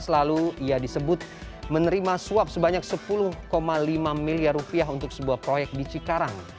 dua ribu lalu ia disebut menerima suap sebanyak sepuluh lima miliar rupiah untuk sebuah proyek di cikarang